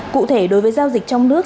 cụ thể đối với giao dịch trong nước